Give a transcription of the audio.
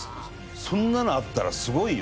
そんなのあったらすごいよ！